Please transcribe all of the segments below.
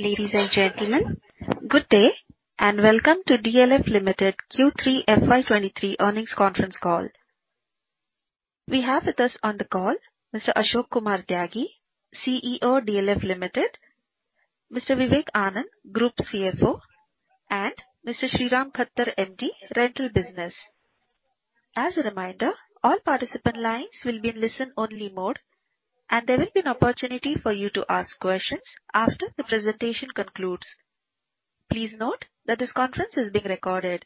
Ladies and gentlemen, good day, and welcome to DLF Limited Q3 FY 2023 earnings conference call. We have with us on the call Mr. Ashok Kumar Tyagi, CEO, DLF Limited, Mr. Vivek Anand, Group CFO, and Mr. Sriram Khattar, MD, Rental Business. As a reminder, all participant lines will be in listen-only mode, and there will be an opportunity for you to ask questions after the presentation concludes. Please note that this conference is being recorded.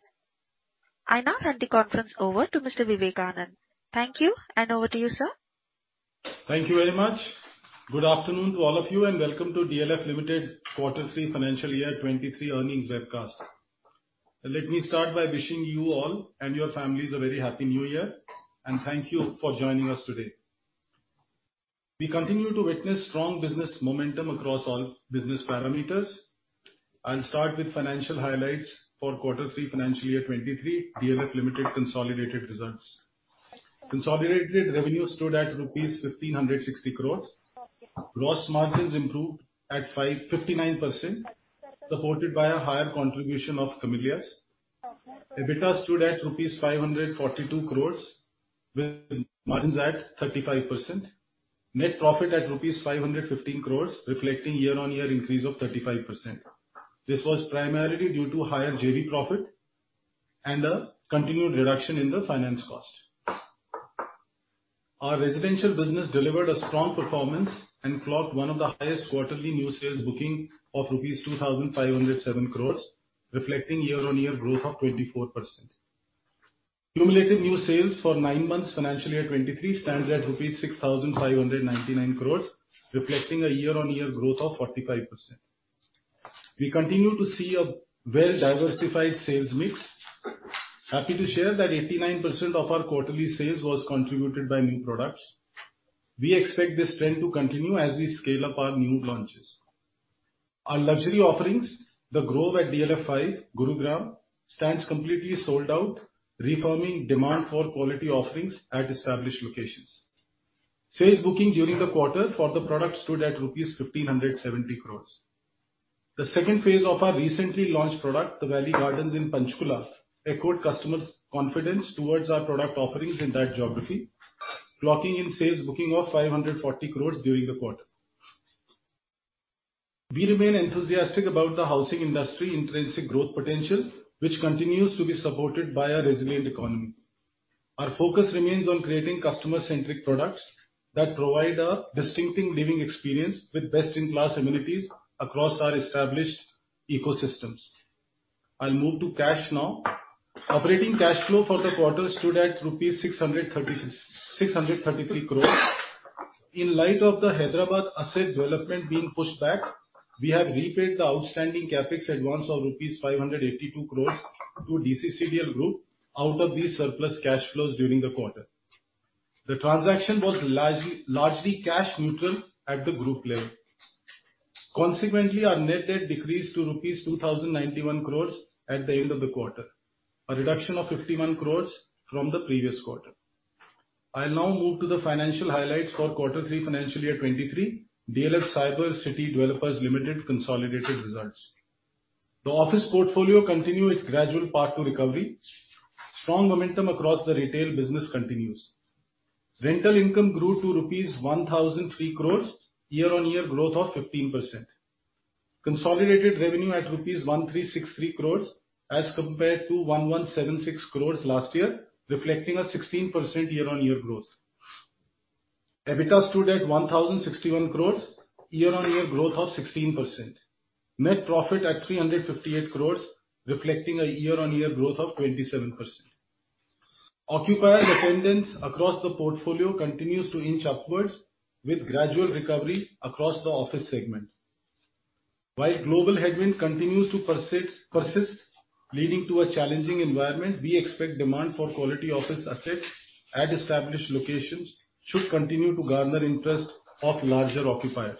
I now hand the conference over to Mr. Vivek Anand. Thank you, and over to you, sir. Thank you very much. Good afternoon to all of you, and welcome to DLF Limited Q3 FY 2023 earnings webcast. Let me start by wishing you all and your families a very happy New Year, and thank you for joining us today. We continue to witness strong business momentum across all business parameters. I'll start with financial highlights for Q3 FY 2023, DLF Limited consolidated results. Consolidated revenue stood at rupees 1,560 crores. Gross margins improved at 59%, supported by a higher contribution of Camellias. EBITDA stood at rupees 542 crores, with margins at 35%. Net profit at rupees 515 crores, reflecting year-on-year increase of 35%. This was primarily due to higher JV profit and a continued reduction in the finance cost. Our residential business delivered a strong performance and clocked one of the highest quarterly new sales booking of rupees 2,507 crores, reflecting year-on-year growth of 24%. Cumulated new sales for 9 months FY 2023 stands at rupees 6,599 crores, reflecting a year-on-year growth of 45%. We continue to see a well-diversified sales mix. Happy to share that 89% of our quarterly sales was contributed by new products. We expect this trend to continue as we scale up our new launches. Our luxury offerings, The Grove at DLF Phase 5, Gurugram, stands completely sold out, reaffirming demand for quality offerings at established locations. Sales booking during the quarter for the product stood at rupees 1,570 crores. The second phase of our recently launched product, The Valley Gardens in Panchkula, echoed customers' confidence towards our product offerings in that geography, clocking in sales booking of 540 crores during the quarter. We remain enthusiastic about the housing industry intrinsic growth potential, which continues to be supported by a resilient economy. Our focus remains on creating customer-centric products that provide a distinctive living experience with best-in-class amenities across our established ecosystems. I'll move to cash now. Operating cash flow for the quarter stood at INR 633 crores. In light of the Hyderabad asset development being pushed back, we have repaid the outstanding CapEx advance of rupees 582 crores to DCCDL Group out of these surplus cash flows during the quarter. The transaction was largely cash neutral at the group level. Consequently, our net debt decreased to rupees 2,091 crores at the end of the quarter, a reduction of 51 crores from the previous quarter. I'll now move to the financial highlights for Quarter Three FY 2023, DLF Cyber City Developers Limited consolidated results. The office portfolio continued its gradual path to recovery. Strong momentum across the retail business continues. Rental income grew to rupees 1,003 crores, year-on-year growth of 15%. Consolidated revenue at rupees 1,363 crores as compared to 1,176 crores last year, reflecting a 16% year-on-year growth. EBITDA stood at 1,061 crores, year-on-year growth of 16%. Net profit at 358 crores, reflecting a year-on-year growth of 27%. Occupier attendance across the portfolio continues to inch upwards, with gradual recovery across the office segment. While global headwind continues to persist, leading to a challenging environment, we expect demand for quality office assets at established locations should continue to garner interest of larger occupiers.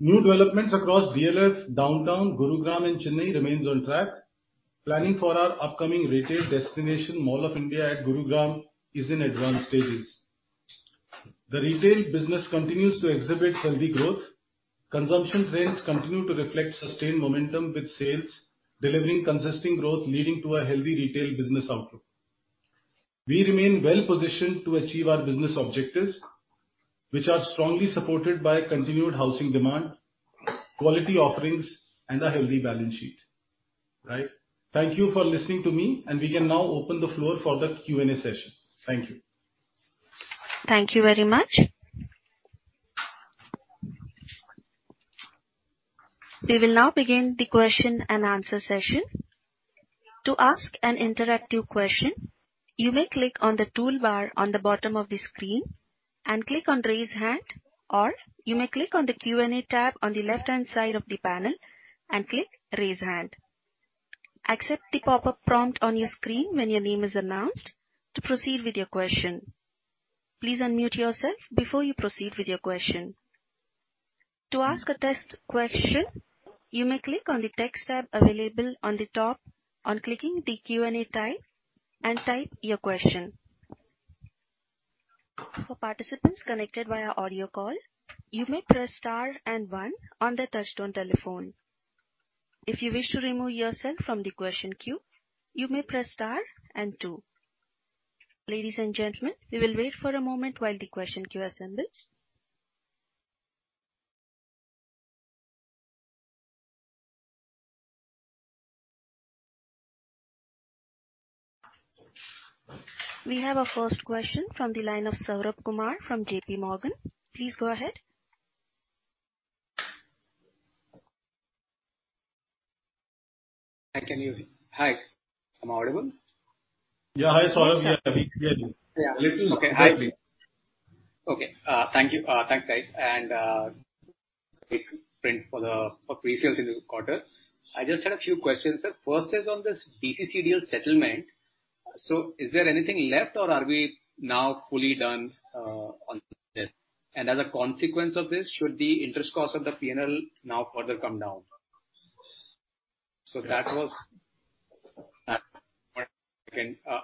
New developments across DLF Downtown, Gurugram and Chennai remains on track. Planning for our upcoming retail destination, Mall of India at Gurugram, is in advanced stages. The retail business continues to exhibit healthy growth. Consumption trends continue to reflect sustained momentum, with sales delivering consistent growth leading to a healthy retail business output. We remain well-positioned to achieve our business objectives, which are strongly supported by continued housing demand, quality offerings, and a healthy balance sheet. Right. Thank you for listening to me, and we can now open the floor for the Q&A session. Thank you. Thank you very much. We will now begin the question-and-answer session. To ask an interactive question, you may click on the toolbar on the bottom of the screen and click on Raise Hand, or you may click on the Q&A tab on the left-hand side of the panel and click Raise Hand. Accept the pop-up prompt on your screen when your name is announced to proceed with your question. Please unmute yourself before you proceed with your question. To ask a test question, you may click on the Text tab available on the top on clicking the Q&A type and type your question. For participants connected via audio call, you may press star and one on the touch-tone telephone. If you wish to remove yourself from the question queue, you may press star and two. Ladies and gentlemen, we will wait for a moment while the question queue assembles. We have our first question from the line of Saurabh Kumar from JPMorgan. Please go ahead. Hi, can you hear me? Hi. Am I audible? Yeah. Hi, Saurabh. Yeah, we can hear you. Yeah. Let us- Okay. Hi. Okay. Thank you. Thanks, guys. For the, for pre-sales in the quarter. I just had a few questions, sir. First is on this DCCDL settlement. Is there anything left, or are we now fully done on this? As a consequence of this, should the interest cost of the PNL now further come down?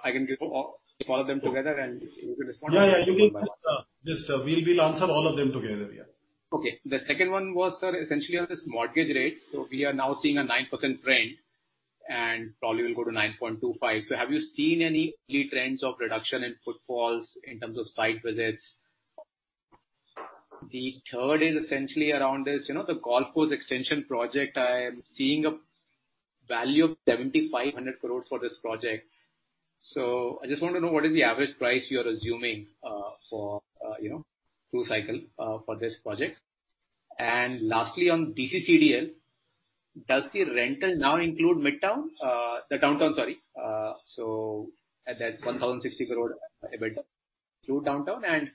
I can give all of them together, and you can respond. Yeah, yeah. You can. Just, we'll answer all of them together. Yeah. Okay. The second one was, sir, essentially on this mortgage rate. we are now seeing a 9% trend and probably will go to 9.25. Have you seen any key trends of reduction in footfalls in terms of site visits? The third is essentially around this, you know, the Golf Course Extension project. I am seeing a value of 7,500 crore for this project. I just want to know what is the average price you are assuming, for, you know, through cycle, for this project. Lastly, on DCCDL, does the rental now include Midtown, the Downtown, sorry? At that 1,060 crore EBITDA through Downtown, and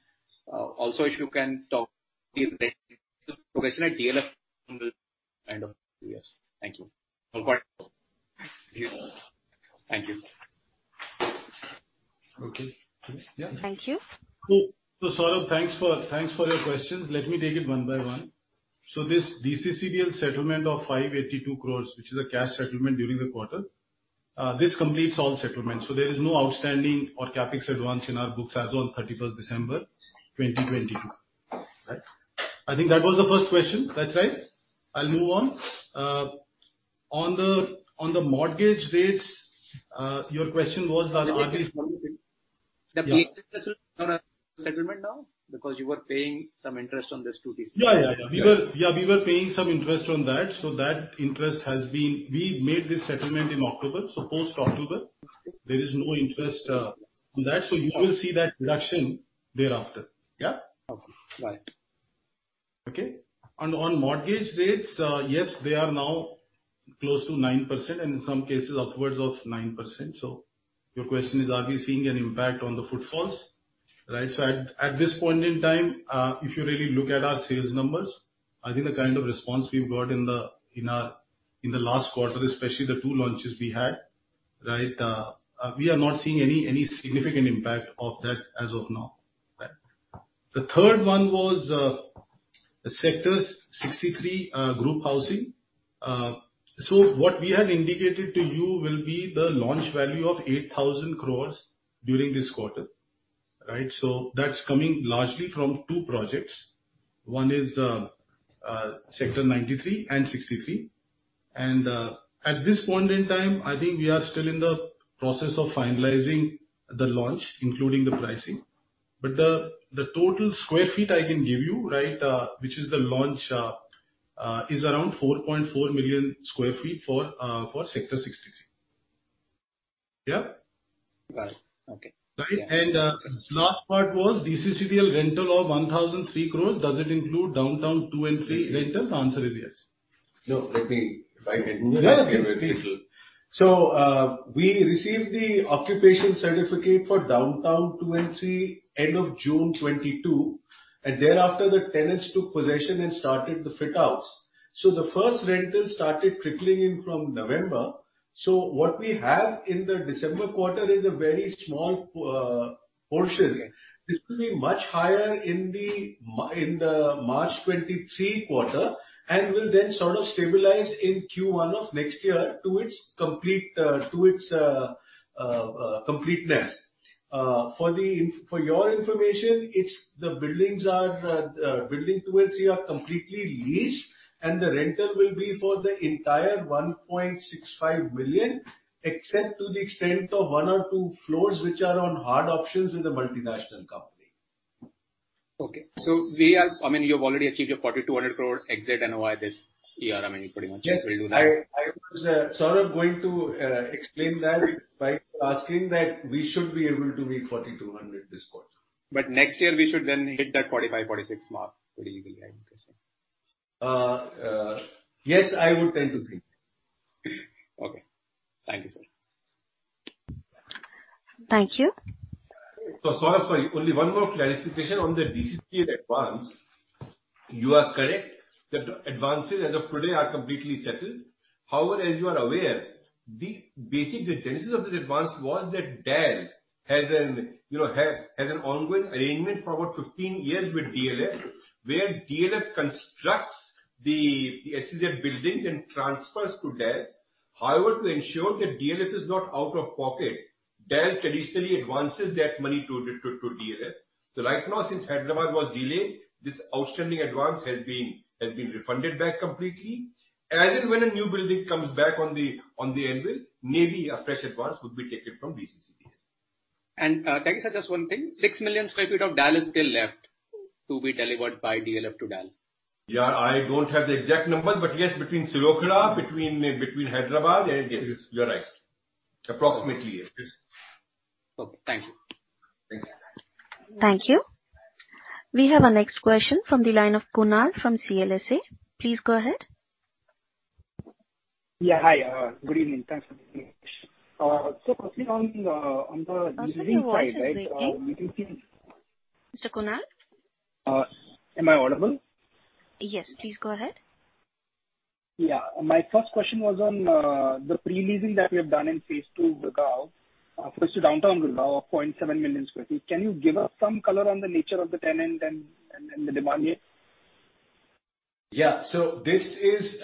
also if you can talk kind of years. Thank you. Thank you. Okay. Yeah. Thank you. Saurabh, thanks for your questions. Let me take it one by one. This DCCDL settlement of 582 crores, which is a cash settlement during the quarter, this completes all settlements. There is no outstanding or CapEx advance in our books as on 31st December 2022. Right? I think that was the first question. That's right? I'll move on. On the mortgage rates, your question was. The settlement now because you were paying some interest on this two DC-. Yeah, yeah. We were paying some interest on that. We made this settlement in October. Post-October there is no interest on that. You will see that reduction thereafter. Yeah? Okay. Right. Okay? On mortgage rates, yes, they are now close to 9% and in some cases upwards of 9%. Your question is, are we seeing an impact on the footfalls? Right. At this point in time, if you really look at our sales numbers, I think the kind of response we've got in the last quarter, especially the two launches we had, right, we are not seeing any significant impact of that as of now. Right. The third one was the Sector 63 group housing. What we have indicated to you will be the launch value of 8,000 crore during this quarter. Right? That's coming largely from two projects. One is Sector 93 and 63. At this point in time, I think we are still in the process of finalizing the launch, including the pricing. The total square feet I can give you, right, which is the launch is around 4.4 million sq ft for Sector 63. Yeah? Right. Okay. Right? Last part was DCCDL rental of 1,003 crores, does it include Downtown 2 and 3 rental? The answer is yes. No, let me Yeah, please. We received the occupation certificate for Downtown two and three end of June 2022, and thereafter the tenants took possession and started the fit-outs. The first rental started trickling in from November. What we have in the December quarter is a very small portion. This will be much higher in the March 2023 quarter and will then sort of stabilize in Q1 of next year to its completeness. For your information, the buildings are, building two and three are completely leased, and the rental will be for the entire 1.65 million, except to the extent of one or two floors which are on hard options with a multinational company. Okay. I mean, you've already achieved your 4,200 crore exit NOI this year, I mean, pretty much. Yes. I was, sort of going to, explain that by asking that we should be able to meet 4,200 this quarter. Next year we should then hit that 45, 46 mark pretty easily, I'm guessing. yes, I would tend to think. Okay. Thank you, sir. Thank you. Saurabh, sorry, only one more clarification on the DCCDL advance. You are correct that advances as of today are completely settled. However, as you are aware. The basic genesis of this advance was that DEL has, you know, has an ongoing arrangement for over 15 years with DLF, where DLF constructs the SEZ buildings and transfers to DEL. To ensure that DLF is not out of pocket, DEL traditionally advances that money to DLF. Right now, since Hyderabad was delayed, this outstanding advance has been refunded back completely. When a new building comes back on the anvil, maybe a fresh advance would be taken from BCC here. Dhawal sir, just one thing. 6 million sq ft of DEL is still left to be delivered by DLF to DEL. Yeah. I don't have the exact numbers, but yes, between Silokhera, between Hyderabad, yes, you're right. Approximately, yes. Okay. Thank you. Thank you. Thank you. We have our next question from the line of Kunal from CLSA. Please go ahead. Yeah. Hi. good evening. Thanks for the invitation. firstly on the leasing side, right, we've been seeing- Your voice is breaking. Mr. Kunal? Am I audible? Yes. Please go ahead. Yeah. My first question was on the pre-leasing that we have done in Phase 2 Gurugram, first to Downtown Gurugram of 0.7 million sq ft. Can you give us some color on the nature of the tenant and the demand here? This is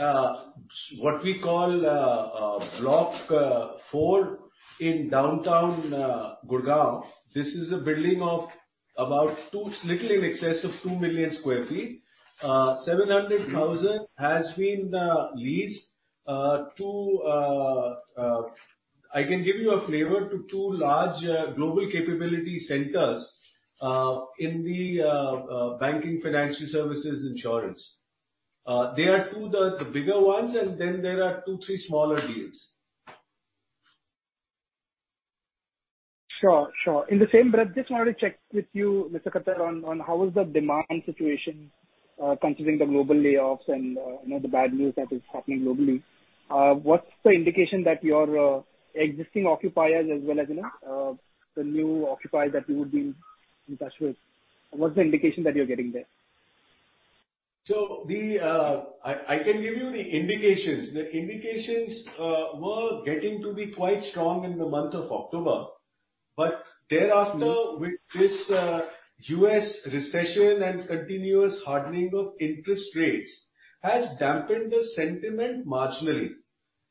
what we call block 4 in Downtown Gurgaon. This is a building of about little in excess of 2 million sq ft. 700,000 has been leased to I can give you a flavor to 2 large global capability centers in the banking, financial services, insurance. They are two of the bigger ones, and then there are 2, 3 smaller deals. Sure. In the same breath, just wanted to check with you, Mr. Khattar, on how is the demand situation, considering the global layoffs and, you know, the bad news that is happening globally. What's the indication that your existing occupiers as well as, you know, the new occupiers that you would be in touch with, what's the indication that you're getting there? The indications were getting to be quite strong in the month of October. Thereafter, with this U.S. recession and continuous hardening of interest rates has dampened the sentiment marginally.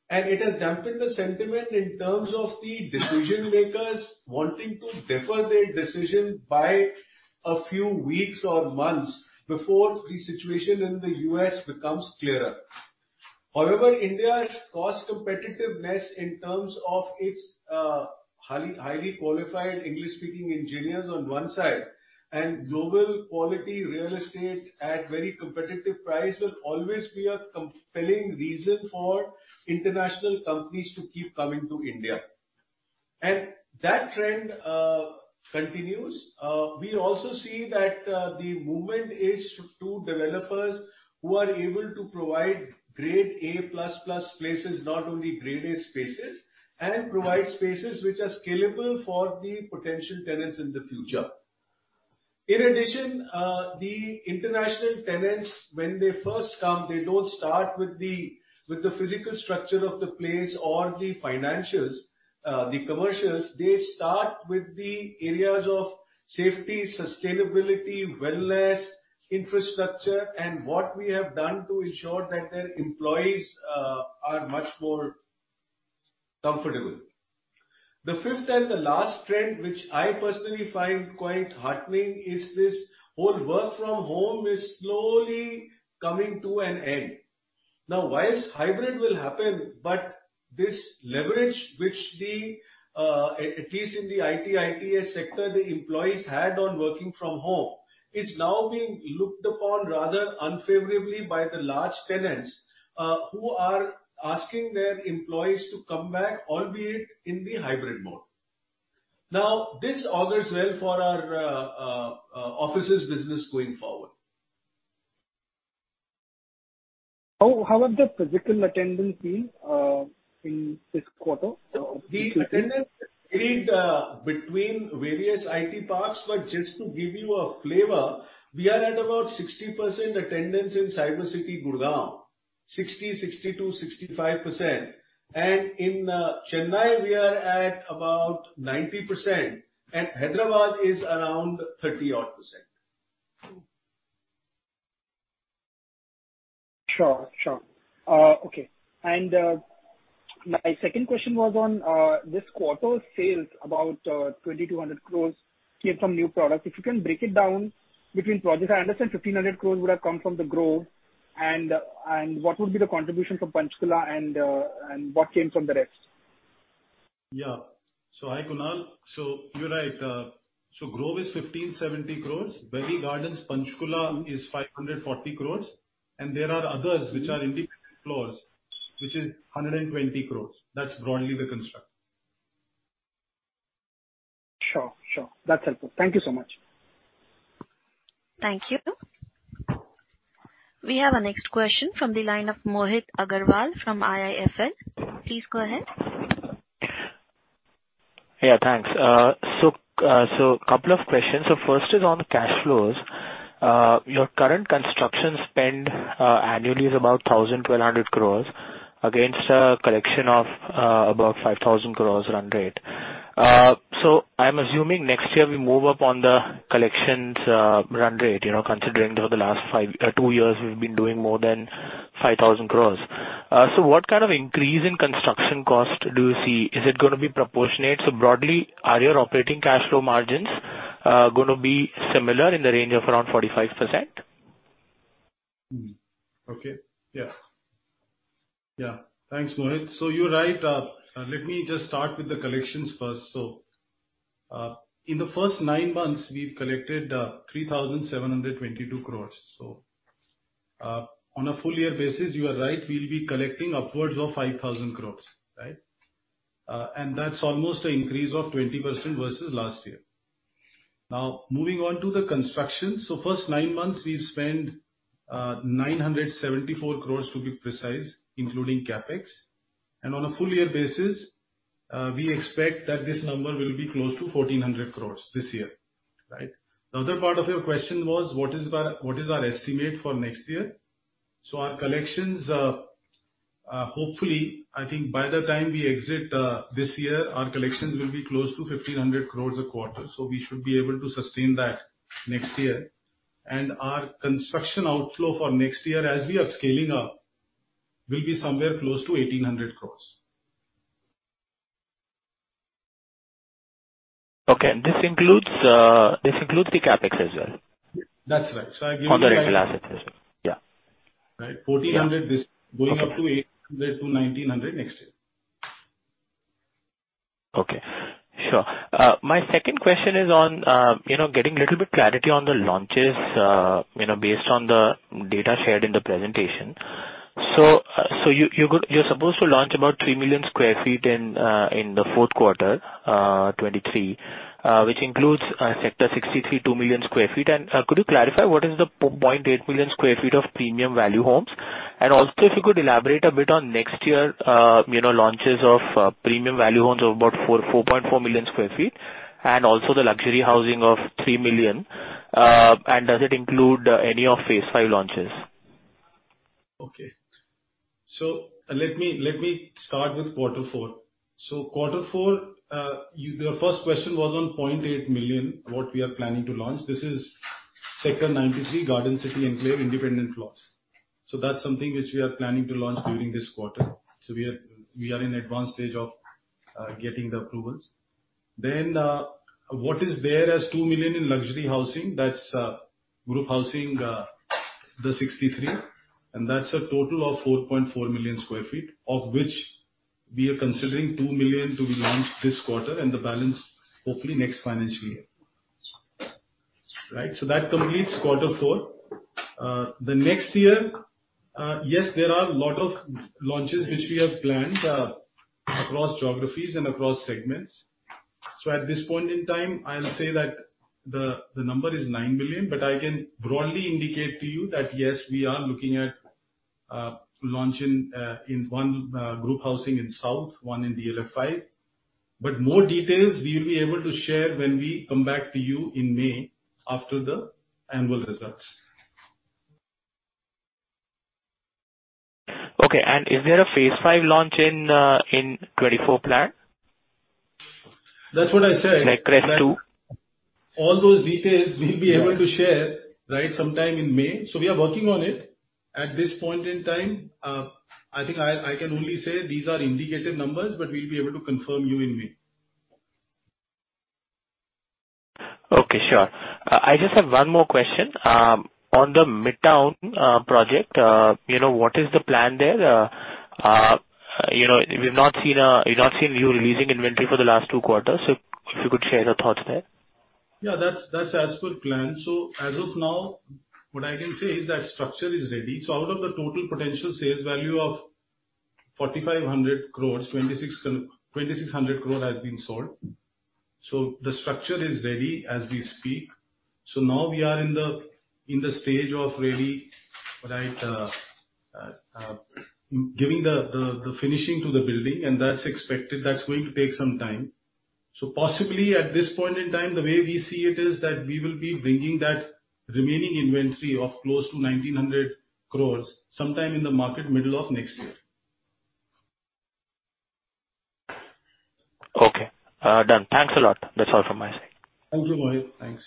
It has dampened the sentiment in terms of the decision makers wanting to defer their decision by a few weeks or months before the situation in the U.S. becomes clearer. However, India's cost competitiveness in terms of its highly qualified English-speaking engineers on one side, and global quality real estate at very competitive price will always be a compelling reason for international companies to keep coming to India. That trend continues. We also see that the movement is to developers who are able to provide grade A plus plus spaces, not only grade A spaces, and provide spaces which are scalable for the potential tenants in the future. In addition, the international tenants, when they first come, they don't start with the, with the physical structure of the place or the financials, the commercials. They start with the areas of safety, sustainability, wellness, infrastructure, and what we have done to ensure that their employees are much more comfortable. The fifth and the last trend, which I personally find quite heartening, is this whole work from home is slowly coming to an end. Whilst hybrid will happen, but this leverage which the at least in the IT/ITS sector, the employees had on working from home, is now being looked upon rather unfavorably by the large tenants, who are asking their employees to come back, albeit in the hybrid mode. This augurs well for our offices business going forward. How has the physical attendance been in this quarter? The attendance varied, between various IT parks. Just to give you a flavor, we are at about 60% attendance in Cyber City, Gurgaon, 60%, 62%, 65%. In Chennai we are at about 90%, and Hyderabad is around 30 odd percent. Sure. Sure. Okay. My second question was on this quarter's sales, about 2,200 crores came from new products. If you can break it down between projects. I understand 1,500 crores would have come from The Grove. What would be the contribution from Panchkula and what came from the rest? Hi, Kunal. You're right. Grove is 1,570 crores. Valley Gardens, Panchkula is 540 crores. There are others which are in the floors, which is 120 crores. That's broadly the construct. Sure. Sure. That's helpful. Thank you so much. Thank you. We have our next question from the line of Mohit Agrawal from IIFL. Please go ahead. Thanks. Couple of questions. First is on cash flows. Your current construction spend annually is about 1,000-1,200 crores against a collection of about 5,000 crores run rate. I'm assuming next year we move up on the collections run rate, you know, considering over the last five, two years, we've been doing more than 5,000 crores. What kind of increase in construction cost do you see? Is it gonna be proportionate? Broadly, are your operating cash flow margins gonna be similar in the range of around 45%? Okay. Yeah. Yeah. Thanks, Mohit. You're right. Let me just start with the collections first. In the first nine months, we've collected 3,722 crores. On a full year basis, you are right, we'll be collecting upwards of 5,000 crores, right? That's almost an increase of 20% versus last year. Now, moving on to the construction. First nine months, we've spent 974 crores to be precise, including CapEx. On a full year basis, we expect that this number will be close to 1,400 crores this year, right? The other part of your question was what is our estimate for next year. Our collections, hopefully, I think by the time we exit, this year, our collections will be close to 1,500 crore a quarter. We should be able to sustain that next year. Our construction outflow for next year, as we are scaling up, will be somewhere close to 1,800 crore. Okay. This includes the CapEx as well? That's right. I give you- On the digital assets as well. Yeah. Right. Yeah. 1,400 this, going up to 1,800-1,900 next year. Okay. Sure. My second question is on getting a little bit clarity on the launches based on the data shared in the presentation. You're supposed to launch about 3 million sq ft in Q4 2023, which includes Sector 63, 2 million sq ft. Could you clarify what is the 0.8 million sq ft of premium value homes? Also if you could elaborate a bit on next year launches of premium value homes of about 4.4 million sq ft and also the luxury housing of 3 million. Does it include any of DLF Phase 5 launches? Okay. Let me, let me start with quarter four. Quarter four, the first question was on 0.8 million sq ft, what we are planning to launch. This is Sector 93, Gardencity Enclave independent plots. That's something which we are planning to launch during this quarter. We are, we are in advanced stage of getting the approvals. What is there as 2 million sq ft in luxury housing, that's group housing, the 63, and that's a total of 4.4 million sq ft, of which we are considering 2 million sq ft to be launched this quarter and the balance hopefully next financial year. Right? That completes quarter four. Next year, yes, there are a lot of launches which we have planned across geographies and across segments. At this point in time, I'll say that the number is 9 billion, but I can broadly indicate to you that, yes, we are looking at launching in one group housing in South, one in DLF Five. More details we will be able to share when we come back to you in May after the annual results. Okay. Is there a phase five launch in 2024 plan? That's what I said. Like Crest 2. All those details we'll be able to share, right, sometime in May. We are working on it. At this point in time, I think I can only say these are indicative numbers, but we'll be able to confirm you in May. Okay, sure. I just have one more question. On the Midtown project, you know, what is the plan there? You know, we've not seen you releasing inventory for the last two quarters. If you could share your thoughts there. Yeah, that's as per plan. As of now, what I can say is that structure is ready. Out of the total potential sales value of 4,500 crore, 2,600 crore has been sold. The structure is ready as we speak. Now we are in the stage of really, right, giving the finishing to the building, and that's expected. That's going to take some time. Possibly at this point in time, the way we see it is that we will be bringing that remaining inventory of close to 1,900 crore sometime in the market middle of next year. Okay. done. Thanks a lot. That's all from my side. Thank you, Mohit. Thanks.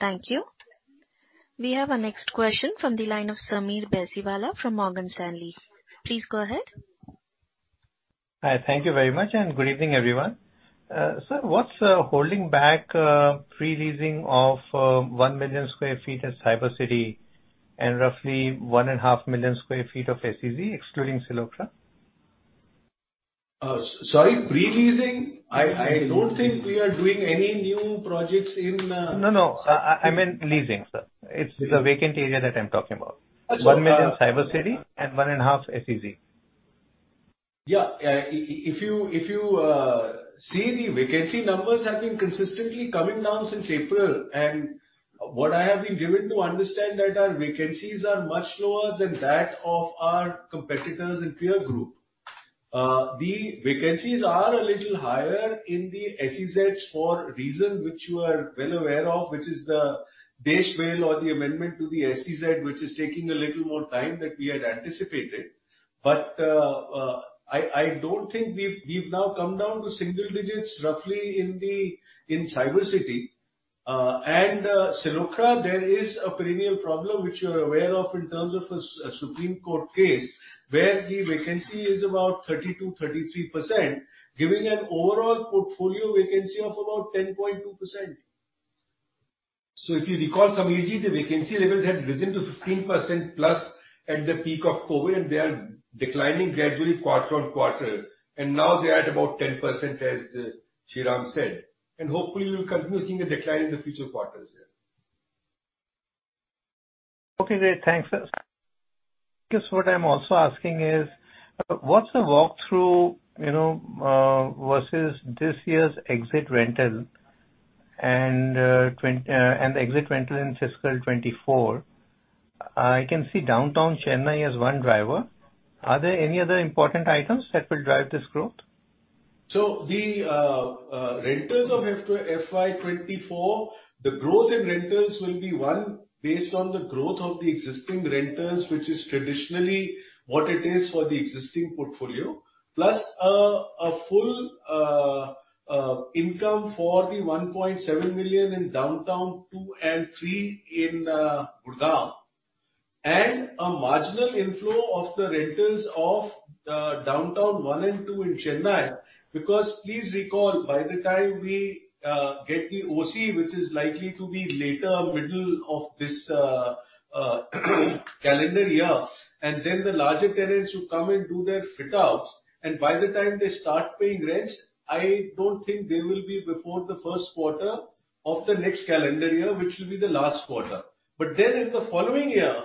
Thank you. We have our next question from the line of Sameer Baisiwala from Morgan Stanley. Please go ahead. Hi. Thank you very much, and good evening, everyone. Sir, what's holding back pre-leasing of 1 million sq ft at CyberCity and roughly 1.5 million sq ft of SEZ, excluding Silokhera? Sorry, pre-leasing? Pre-leasing. I don't think we are doing any new projects in. No, no. I meant leasing, sir. It's the vacant area that I'm talking about. Sure. 1 million Cybercity and 1.5 SEZ. Yeah. If you see the vacancy numbers have been consistently coming down since April. What I have been given to understand that our vacancies are much lower than that of our competitors and peer group. The vacancies are a little higher in the SEZs for reason which you are well aware of, which is the DESH Bill or the amendment to the SEZ, which is taking a little more time than we had anticipated. I don't think we've now come down to single digits roughly in the Cyber City. Silokhera, there is a perennial problem which you're aware of in terms of a Supreme Court case, where the vacancy is about 30%-33%, giving an overall portfolio vacancy of about 10.2%. If you recall, Sameer, the vacancy levels had risen to 15%+ at the peak of COVID, and they are declining gradually quarter on quarter, and now they are at about 10%, as Sriram said. Hopefully we'll continue seeing a decline in the future quarters, yeah. Okay, great. Thanks. Guess what I'm also asking is, what's the walkthrough, you know, versus this year's exit rental and the exit rental in fiscal 2024? I can see Downtown Chennai as 1 driver. Are there any other important items that will drive this growth? The rentals of FY24, the growth in rentals will be one based on the growth of the existing rentals, which is traditionally what it is for the existing portfolio. Plus a full income for the 1.7 million in Downtown 2 and 3 in Gurugram. A marginal inflow of the rentals of Downtown 1 and 2 in Chennai. Please recall, by the time we get the OC, which is likely to be later middle of this calendar year, and then the larger tenants who come and do their fit outs, and by the time they start paying rents, I don't think they will be before the first quarter of the next calendar year, which will be the last quarter. In the following year,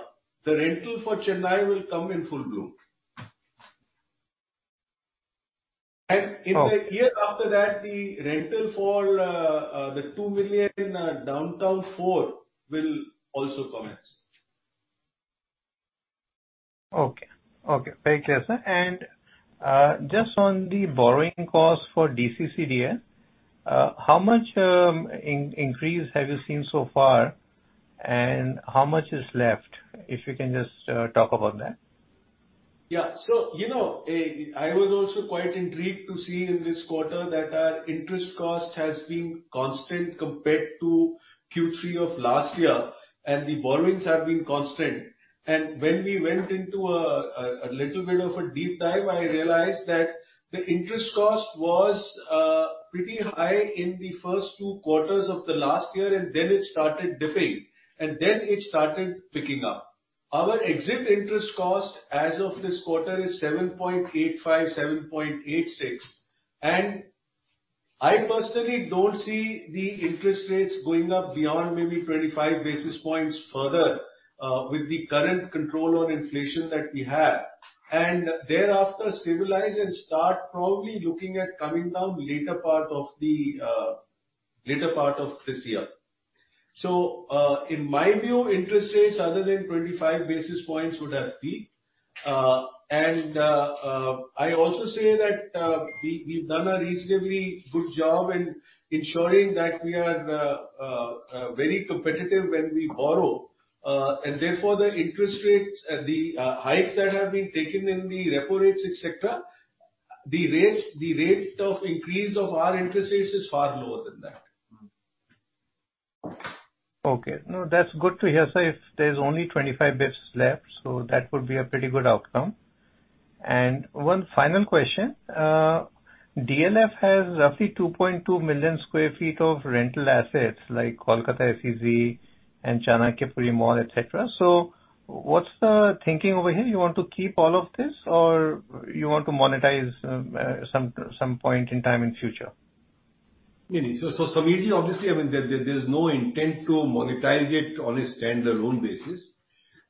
the rental for Chennai will come in full bloom. Oh. In the year after that, the rental for the 2 million in Downtown 4 will also commence. Okay. Okay. Very clear, sir. Just on the borrowing costs for DCCDL, how much increase have you seen so far, and how much is left? If you can just talk about that. Yeah. You know, I was also quite intrigued to see in this quarter that our interest cost has been constant compared to Q3 of last year, and the borrowings have been constant. When we went into a little bit of a deep dive, I realized that the interest cost was pretty high in the first 2 quarters of the last year, and then it started dipping, and then it started picking up. Our exit interest cost as of this quarter is 7.85%, 7.86%. I personally don't see the interest rates going up beyond maybe 25 basis points further, with the current control on inflation that we have. Thereafter stabilize and start probably looking at coming down later part of the later part of this year. In my view, interest rates other than 25 basis points would have peaked. And I also say that we've done a reasonably good job in ensuring that we are very competitive when we borrow. And therefore, the interest rates and the hikes that have been taken in the repo rates, et cetera, the rate of increase of our interest rates is far lower than that. Okay. No, that's good to hear, sir. If there's only 25 bits left, that would be a pretty good outcome. One final question. DLF has roughly 2.2 million sq ft of rental assets like Kolkata SEZ and The Chanakya, et cetera. What's the thinking over here? You want to keep all of this or you want to monetize some point in time in future? Sameerji, obviously, I mean, there's no intent to monetize it on a standalone basis.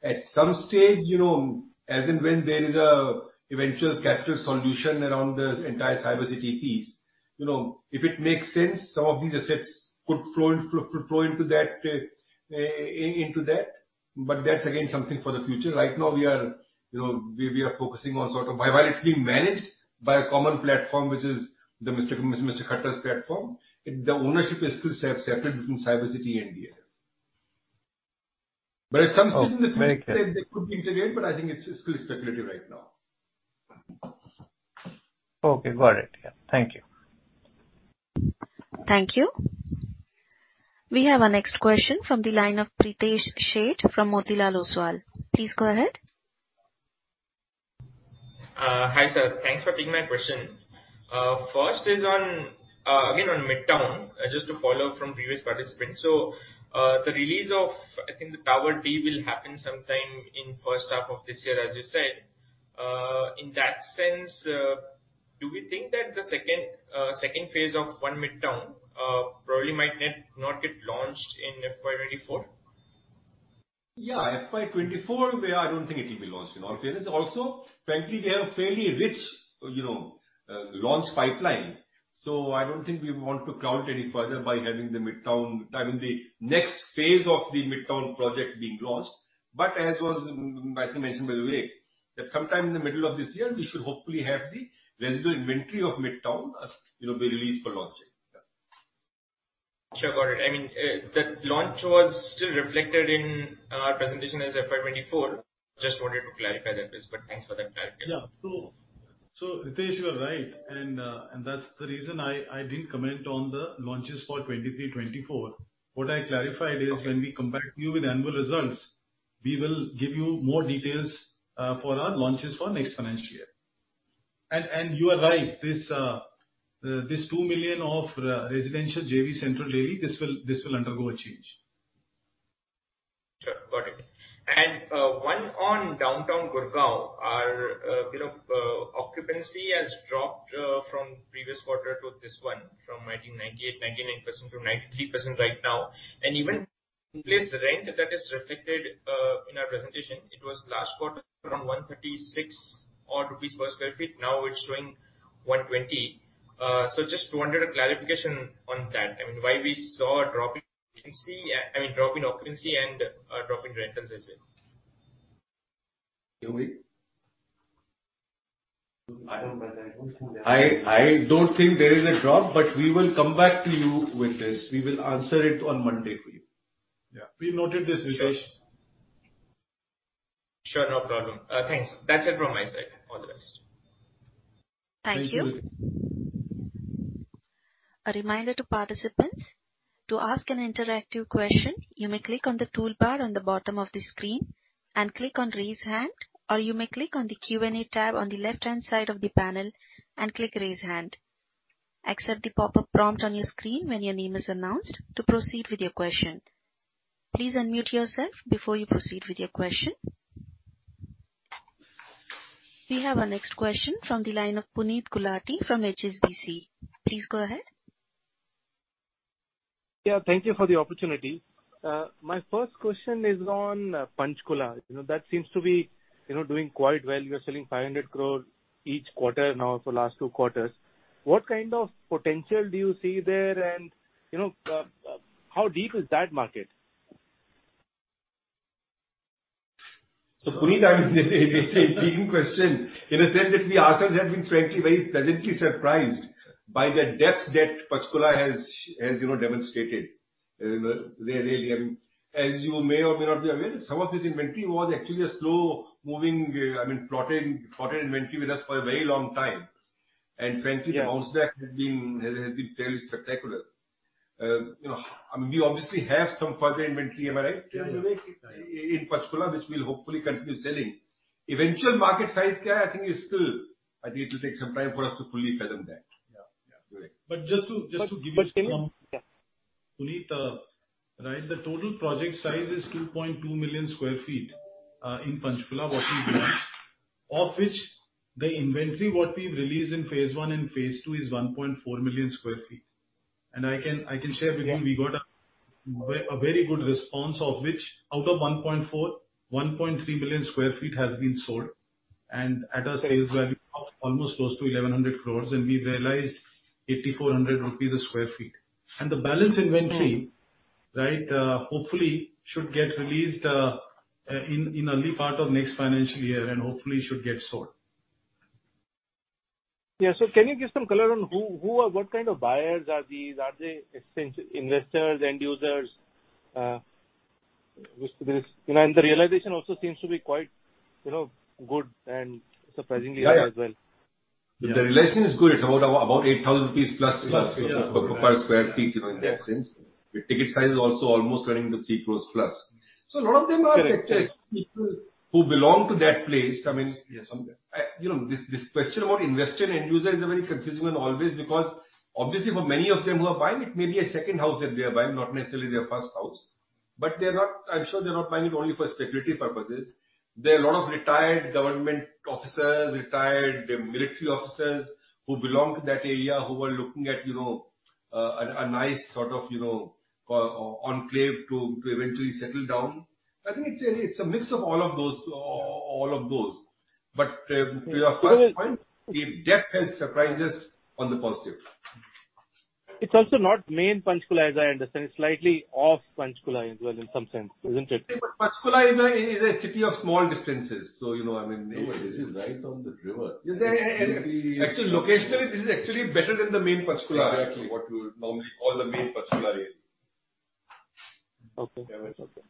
At some stage, you know, as and when there is a eventual capital solution around this entire Cybercity piece, you know, if it makes sense, some of these assets could flow into that, into that. That's again, something for the future. Right now we are, you know, we are focusing on sort of... While it's being managed by a common platform, which is the Mr. Khattar's platform, the ownership is still separate between Cybercity and DLF. At some stage in the future- Oh, very clear. They could integrate, I think it's still speculative right now. Okay, got it. Yeah. Thank you. Thank you. We have our next question from the line of Pritesh Sheth from Motilal Oswal. Please go ahead. Hi, sir. Thanks for taking my question. First is on, again, on Midtown, just to follow up from previous participants. The release of, I think, the tower B will happen sometime in first half of this year, as you said. In that sense, do we think that the second phase of One Midtown, probably might not get launched in FY 2024? Yeah, FY 2024, I don't think it will be launched in all fairness. Frankly, we have a fairly rich, you know, launch pipeline. I don't think we want to cloud it any further by having, I mean, the next phase of the Midtown project being launched. As was, as mentioned by Vivek, that sometime in the middle of this year, we should hopefully have the residual inventory of Midtown, you know, be released for launching. Yeah. Sure. Got it. I mean, that launch was still reflected in presentation as FY 2024. Just wanted to clarify that please. Thanks for that clarification. Yeah. Ritesh, you are right. That's the reason I didn't comment on the launches for 23, 24. What I clarified is when we come back to you with annual results, we will give you more details for our launches for next financial year. You are right, this 2 million of residential JV central Delhi will undergo a change. Sure. Got it. One on Downtown Gurgaon, our, you know, occupancy has dropped from previous quarter to this one, from I think 98%, 99%-93% right now. Even in place the rent that is reflected in our presentation, it was last quarter around 136 rupees odd per sq ft, now it's showing 120. Just wanted a clarification on that. I mean, why we saw a drop in occupancy, I mean, drop in occupancy and a drop in rentals as well. Vivek? I don't, but I don't think there is a drop. I don't think there is a drop, but we will come back to you with this. We will answer it on Monday for you. Yeah. We noted this, Ritesh. Sure. Sure, no problem. Thanks. That's it from my side. All the best. Thank you. Thank you, Ritesh. A reminder to participants, to ask an interactive question, you may click on the toolbar on the bottom of the screen and click on Raise Hand, or you may click on the Q&A tab on the left-hand side of the panel and click Raise Hand. Accept the pop-up prompt on your screen when your name is announced to proceed with your question. Please unmute yourself before you proceed with your question. We have our next question from the line of Puneet Gulati from HSBC. Please go ahead. Yeah, thank you for the opportunity. My first question is on Panchkula. You know, that seems to be, you know, doing quite well. You're selling 500 crores each quarter now for the last 2 quarters. What kind of potential do you see there? And, you know, how deep is that market? Puneet, I mean, it's a leading question in a sense that we ourselves have been frankly very pleasantly surprised by the depth that Panchkula has, you know, demonstrated. Really, I mean. As you may or may not be aware, some of this inventory was actually a slow-moving, I mean, plotted inventory with us for a very long time. Frankly- Yeah. The bounce back has been fairly spectacular. You know, we obviously have some further inventory, am I right? Yeah. In Panchkula, which we'll hopefully continue selling. Eventual market size, I think is still... I think it'll take some time for us to fully fathom that. Yeah. Correct. Just to give you. But can you- Puneet, right, the total project size is 2.2 million sq ft in Panchkula, what we've done. Of which the inventory, what we've released in phase I and phase II is 1.4 million sq ft. I can share with you, we got a very good response, of which out of 1.4, 1.3 million sq ft has been sold. At a sales value of almost close to 1,100 crores, and we've realized 8,400 rupees a sq ft. The balance inventory- Mm-hmm. Right? Hopefully should get released in early part of next financial year and hopefully should get sold. Yeah. Can you give some color on who are what kind of buyers are these? Are they investors, end users? This, you know, and the realization also seems to be quite, you know, good and surprisingly high as well. Yeah, yeah. Yeah. The realization is good. It's about 8,000+ rupees per square feet, you know, in that sense. The ticket size is also almost running to 3 crores+. Correct. A lot of them are people who belong to that place. I mean. Yes. You know, this question about investor and end user is a very confusing one always because obviously for many of them who are buying, it may be a second house that they are buying, not necessarily their first house. They're not, I'm sure they're not buying it only for speculative purposes. There are a lot of retired government officers, retired military officers who belong to that area, who are looking at, you know, a nice sort of, you know, enclave to eventually settle down. I think it's a mix of all of those. To your first point, the depth has surprised us on the positive. It's also not main Panchkula, as I understand. It's slightly off Panchkula as well in some sense, isn't it? Panchkula is a city of small distances. No, this is right on the river. Yeah, yeah. Actually, locationally, this is actually better than the main Panchkula. Exactly. What you would normally call the main Panchkula area. Okay.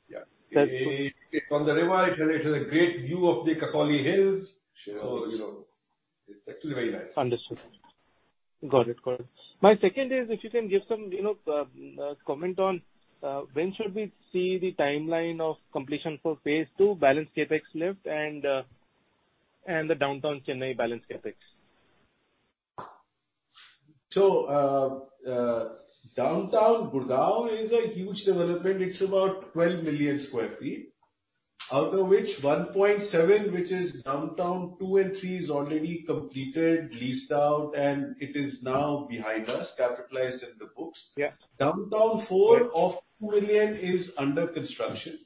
Yeah. It's on the river. It has a great view of the Kasauli hills. Sure. You know, it's actually very nice. Understood. Got it. Got it. My second is if you can give some, you know, comment on when should we see the timeline of completion for phase two, balance CapEx left and the Downtown Chennai balance CapEx? Downtown Gurgaon is a huge development. It's about 12 million sq ft. Out of which 1.7, which is Downtown 2 and 3 is already completed, leased out, and it is now behind us, capitalized in the books. Yeah. Downtown 4 of 2 million is under construction.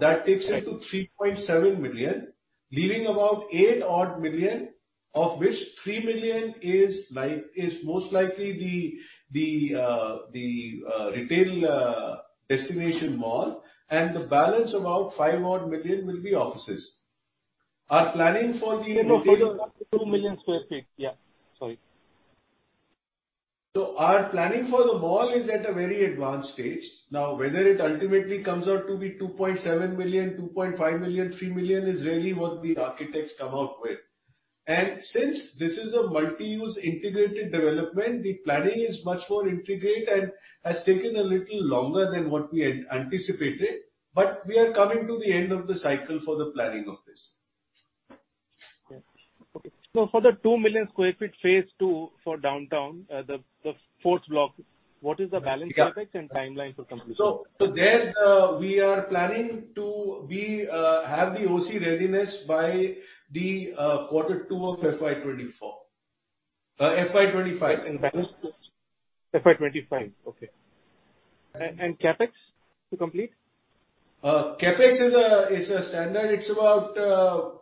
That takes us to 3.7 million, leaving about 8 odd million, of which 3 million is most likely the, uh, retail, uh, destination mall. The balance, about 5 odd million, will be offices. Our planning for the retail- No, no. For the 2 million square feet. Yeah. Sorry. Our planning for the mall is at a very advanced stage. Whether it ultimately comes out to be 2.7 million, 2.5 million, 3 million, is really what the architects come out with. Since this is a multi-use integrated development, the planning is much more intricate and has taken a little longer than what we anticipated, but we are coming to the end of the cycle for the planning of this. Yeah. Okay. for the 2 million sq ft, Phase 2 for Downtown, the fourth block, what is the balance CapEx and timeline for completion? There we are planning to be have the OC readiness by the quarter 2 of FY 2024. FY 2025. Balance sheets. FY 2025. Okay. CapEx to complete? CapEx is a standard. It's about,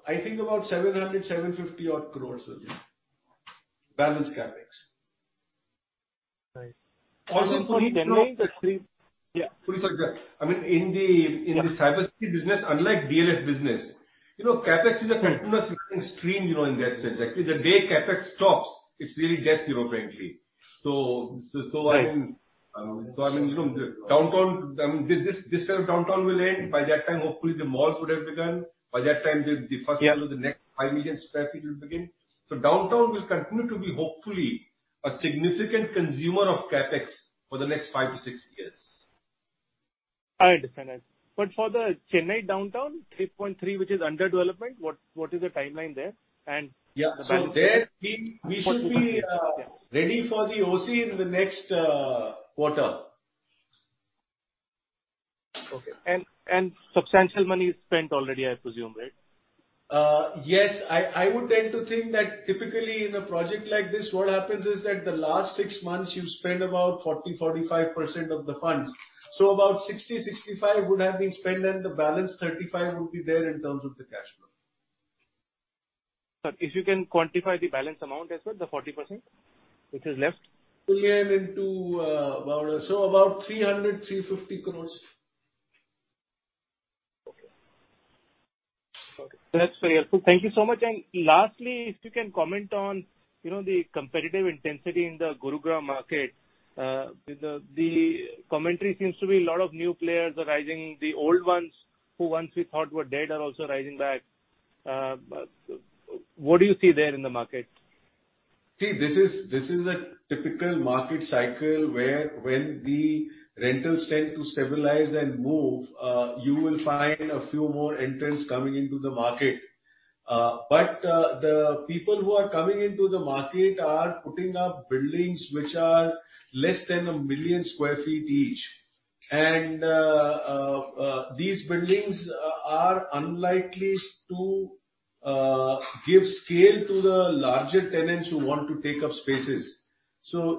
I think about 700, 750 odd crores. Balance CapEx. Right. Also for Chennai- Puri, sorry. I mean, in the Cybercity business, unlike DLF business, you know, CapEx is a continuous running stream, you know, in that sense. Actually, the day CapEx stops, it's really death, you know, frankly. Right. I mean, you know, Downtown. I mean, this term Downtown will end. By that time, hopefully the malls would have begun. By that time, the first. Yeah. part of the next 5 million square feet will begin. Downtown will continue to be hopefully a significant consumer of CapEx for the next 5-6 years. I understand that. For the Chennai Downtown, 3.3, which is under development, what is the timeline there? Yeah. There we should be ready for the OC in the next quarter. Okay. Substantial money is spent already, I presume, right? Yes. I would tend to think that typically in a project like this, what happens is that the last 6 months you spend about 40%-45% of the funds. About 60%-65% would have been spent, and the balance 35% would be there in terms of the cash flow. Sir, if you can quantify the balance amount as well, the 40% which is left. about 300-350 crores. Okay, that's very helpful. Thank you so much. Lastly, if you can comment on, you know, the competitive intensity in the Gurugram market. The commentary seems to be a lot of new players are rising. The old ones who once we thought were dead are also rising back. What do you see there in the market? See, this is a typical market cycle where when the rentals tend to stabilize and move, you will find a few more entrants coming into the market. The people who are coming into the market are putting up buildings which are less than 1 million sq ft each. These buildings are unlikely to give scale to the larger tenants who want to take up spaces.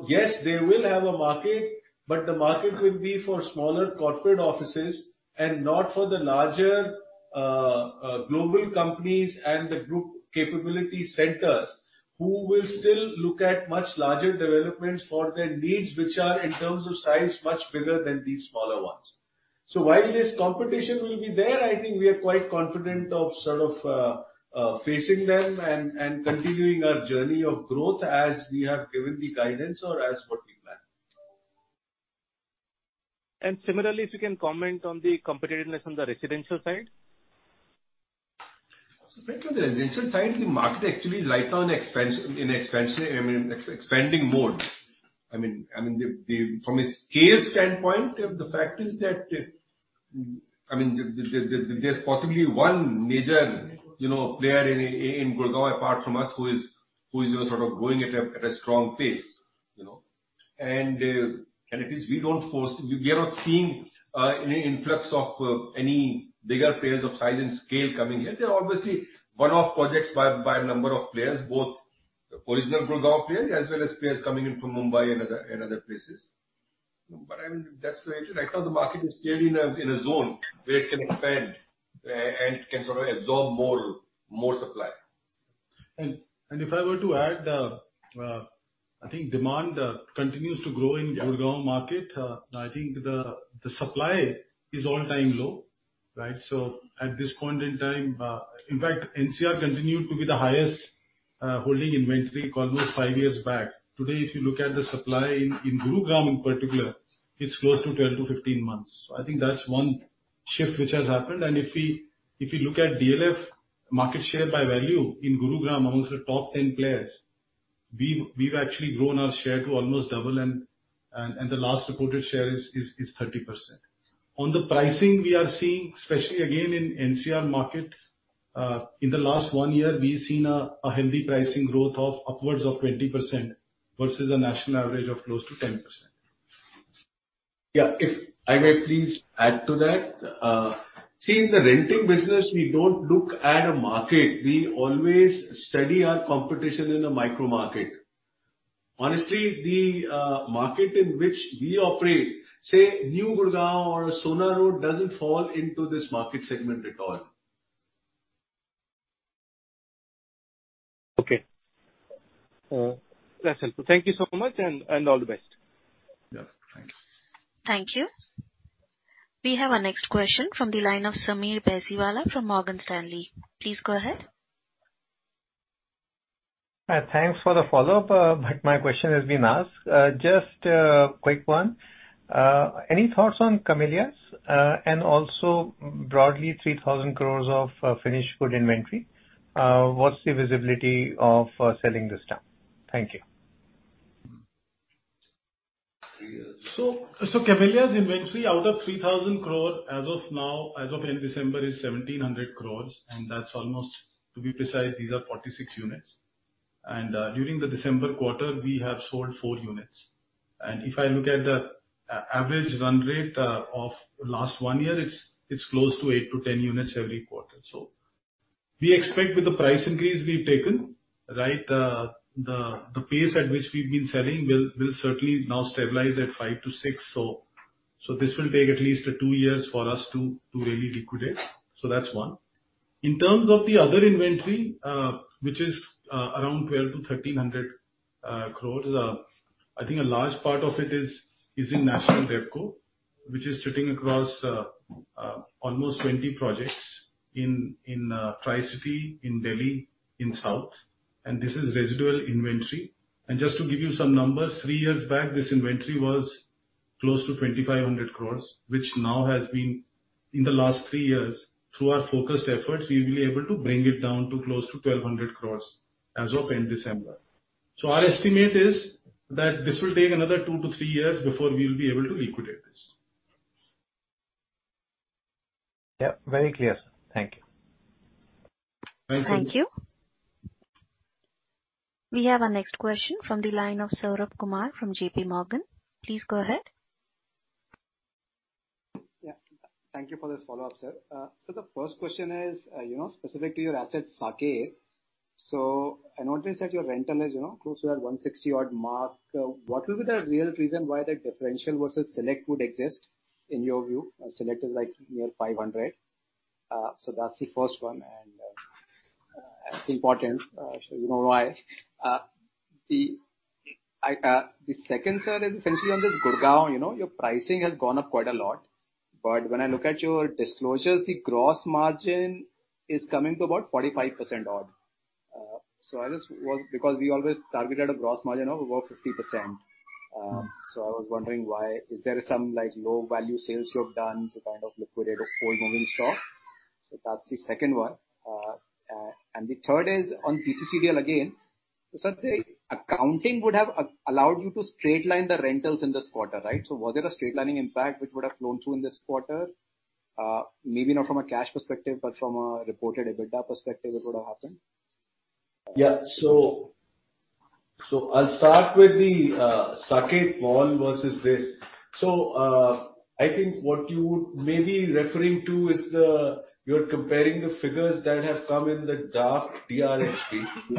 Yes, they will have a market, but the market will be for smaller corporate offices and not for the larger global companies and the group capability centers, who will still look at much larger developments for their needs, which are in terms of size, much bigger than these smaller ones. While this competition will be there, I think we are quite confident of sort of facing them and continuing our journey of growth as we have given the guidance or as what we plan. Similarly, if you can comment on the competitiveness on the residential side. Frankly, on the residential side, the market actually is right now in expansion... I mean in expanding mode. I mean the... From a scale standpoint, the fact is that, I mean, there's possibly one major, you know, player in Gurugram apart from us who is, you know, sort of growing at a strong pace, you know? It is we don't foresee... We are not seeing any influx of any bigger players of size and scale coming in. There are obviously one-off projects by a number of players, both original Gurugram players as well as players coming in from Mumbai and other places. I mean, that's the way it is. Right now the market is still in a zone where it can expand and can sort of absorb more supply. If I were to add, I think demand continues to grow in Gurugram market. I think the supply is all-time low, right? At this point in time, in fact, NCR continued to be the highest holding inventory almost five years back. Today, if you look at the supply in Gurugram in particular, it's close to 10-15 months. I think that's one shift which has happened. If we, if you look at DLF market share by value in Gurugram amongst the top 10 players, we've actually grown our share to almost double, and the last reported share is 30%. On the pricing we are seeing, especially again in NCR market, in the last one year we've seen a healthy pricing growth of upwards of 20% versus a national average of close to 10%. Yeah, if I may please add to that. See, in the renting business, we don't look at a market. We always study our competition in a micro market. Honestly, the market in which we operate, say, New Gurgaon or Sohna Road doesn't fall into this market segment at all. Okay. That's helpful. Thank you so much and all the best. Yeah. Thanks. Thank you. We have our next question from the line of Sameer Baisiwala from Morgan Stanley. Please go ahead. Thanks for the follow-up, my question has been asked. Just a quick one. Any thoughts on The Camellias, and also broadly 3,000 crores of finished good inventory. What's the visibility of selling this down? Thank you. Camellias inventory out of 3,000 crore as of now, as of end December, is 1,700 crore, and that's almost, to be precise, these are 46 units. During the December quarter, we have sold four units. If I look at the average run rate of last one year, it's close to 8-10 units every quarter. We expect with the price increase we've taken, right, the pace at which we've been selling will certainly now stabilize at five to six. This will take at least two years for us to really liquidate. That's one. In terms of the other inventory, which is around 1,200-1,300 crore, I think a large part of it is in National Devco, which is sitting across almost 20 projects in Tri-city, in Delhi, in South, and this is residual inventory. Just to give you some numbers, 3 years back, this inventory was close to 2,500 crore, which now has been, in the last 3 years, through our focused efforts, we've been able to bring it down to close to 1,200 crore as of end December. Our estimate is that this will take another 2-3 years before we'll be able to liquidate this. Yeah. Very clear. Thank you. Thanks. Thank you. We have our next question from the line of Saurabh Kumar from JPMorgan. Please go ahead. Yeah. Thank you for this follow-up, sir. The first question is, you know, specific to your asset, Saket. I notice that your rental is, you know, close to that 160 odd mark. What will be the real reason why the differential versus Select would exist in your view? Select is like near 500. That's the first one and that's important. Sure you know why. The second, sir, is essentially on this Gurugram, you know, your pricing has gone up quite a lot. When I look at your disclosures, the gross margin is coming to about 45% odd. Because we always targeted a gross margin of over 50%. I was wondering why. Is there some, like, low value sales you have done to kind of liquidate old moving stock? That's the second one. And the third is on DCCDL again. Sir, the accounting would have allowed you to straight line the rentals in this quarter, right? Was it a straight lining impact which would have flown through in this quarter? Maybe not from a cash perspective, but from a reported EBITDA perspective, it would have happened. Yeah. I'll start with the Saket Mall versus this. I think what you may be referring to is the. You're comparing the figures that have come in the draft DRHP.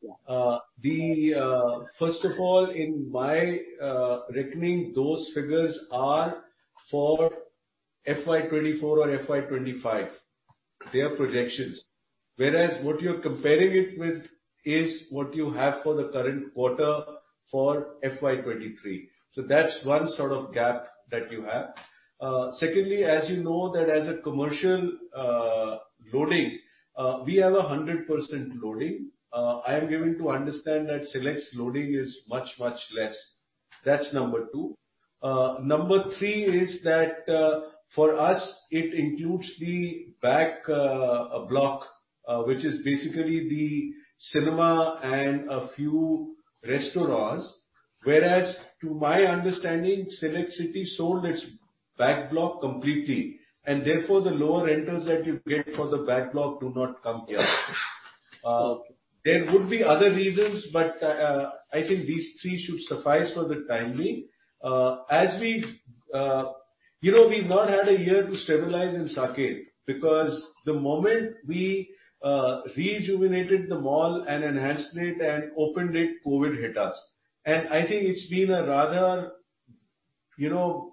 Yeah. First of all, in my reckoning, those figures are for FY 2024 or FY 2025. They are projections. Whereas what you're comparing it with is what you have for the current quarter for FY 2023. That's one sort of gap that you have. Secondly, as you know that as a commercial loading, we have a 100% loading. I am given to understand that Select's loading is much, much less. That's number 2. Number 3 is that for us, it includes the back block, which is basically the cinema and a few restaurants. Whereas to my understanding, Select Citywalk sold its back block completely, and therefore the lower rentals that you get for the back block do not come here. Okay. There could be other reasons, but I think these three should suffice for the time being. As we, you know, we've not had a year to stabilize in Saket because the moment we rejuvenated the mall and enhanced it and opened it, COVID hit us. I think it's been a rather, you know,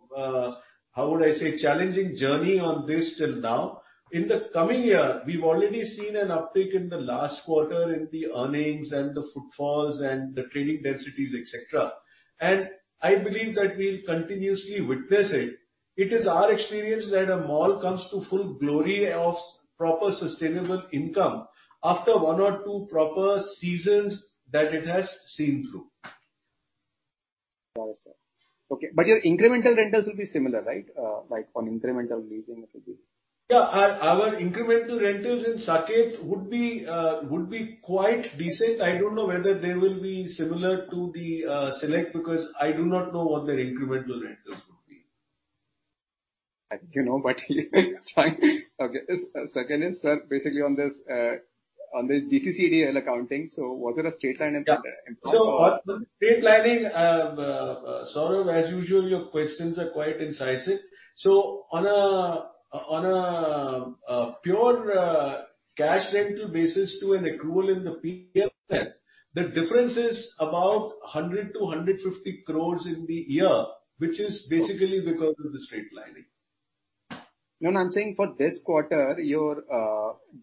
how would I say, challenging journey on this till now. In the coming year, we've already seen an uptick in the last quarter in the earnings and the footfalls and the trading densities, et cetera. I believe that we'll continuously witness it. It is our experience that a mall comes to full glory of proper sustainable income after one or two proper seasons that it has seen through. Got it, sir. Okay. Your incremental rentals will be similar, right, like on incremental leasing it will be? Yeah. Our incremental rentals in Saket would be quite decent. I don't know whether they will be similar to the Select because I do not know what their incremental rental is. I think you know, but fine. Okay. Second is, sir, basically on this, on this DCCDL accounting. Was it a straight line item there in total? Yeah. On straight lining, Saurabh, as usual, your questions are quite incisive. On a pure cash rental basis to an accrual in the P&L, the difference is about 100-150 crores in the year, which is basically because of the straight lining. No, no, I'm saying for this quarter, your,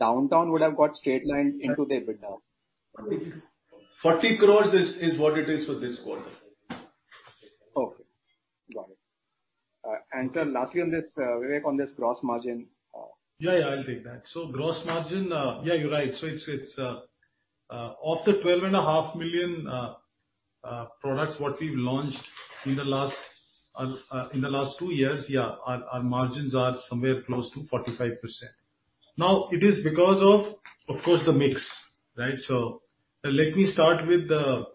Downtown would have got straight lined into the EBITDA. 40 crores is what it is for this quarter. Okay. Got it. Sir, lastly on this, Vivek, on this gross margin. Yeah, yeah, I'll take that. gross margin, yeah, you're right. it's of the 12.5 million products what we've launched in the last two years, yeah, our margins are somewhere close to 45%. it is because of course, the mix, right? let me start with the